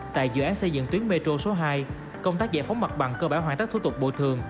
tại dự án xây dựng tuyến metro số hai công tác giải phóng mặt bằng cơ bảo hoàn tất thu tục bộ thường